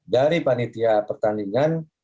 dari panitia pertandingan